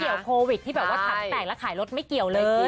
ไม่เกี่ยวโควิดที่แบบว่าถัดแต่งแล้วขายรถไม่เกี่ยวเลย